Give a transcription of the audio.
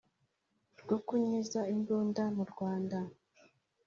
rwo kunyuza imbunda mu Rwanda